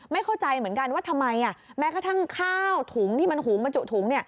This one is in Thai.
ไม่เข้าใจเหมือนกันว่าทำไมแม้กระทั่งข้าวถุงที่มันหุงบรรจุถุง